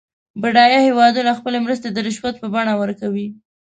بډایه هېوادونه خپلې مرستې د رشوت په بڼه ورکوي.